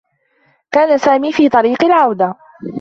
كان سامي في طريق العودة.